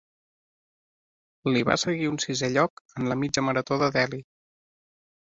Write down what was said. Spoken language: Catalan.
Li va seguir un sisè lloc en la mitja marató de Delhi.